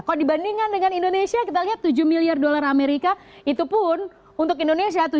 kalau dibandingkan dengan indonesia kita lihat tujuh miliar dolar amerika itu pun untuk indonesia